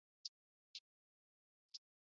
睦边青冈为壳斗科青冈属下的一个变种。